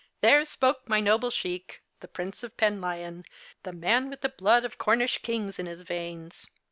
There spoke my noble Sheik — the Prince of Penlyon — the man with the blood of Cornish kings in his veins.